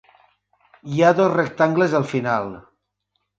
Hi ha dos rectangles al final.